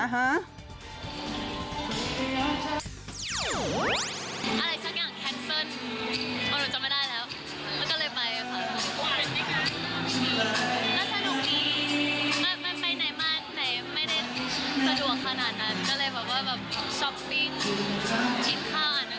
อะไรสักอย่างแคล็นเซิร์น